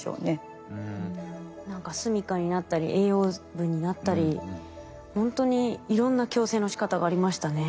何かすみかになったり栄養分になったりほんとにいろんな共生のしかたがありましたね。